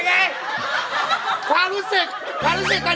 มีใครต้องแน่นานได้มั้ย